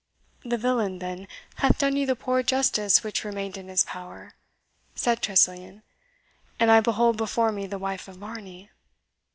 "The villain, then, hath done you the poor justice which remained in his power," said Tressilian, "and I behold before me the wife of Varney!"